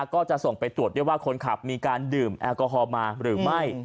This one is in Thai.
ก็จะส่งไปตรวจด้วยว่าคนขับมีการดื่มแอลกอฮอล์มาหรือไม่